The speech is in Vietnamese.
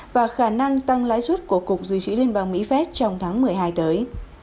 và khả năng tăng lãi suất của cục dự trữ liên bang mỹ phép trong tháng một mươi hai tới